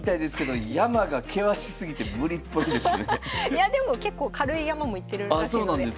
いやでも結構軽い山も行ってるらしいので。